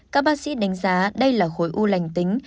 các bác sĩ đánh giá đây là khối u lành tính